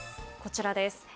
こちらです。